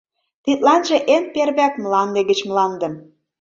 Тидланже эн первыяк мланде гыч мландым